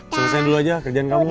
selesain dulu aja kerjaan kamu ya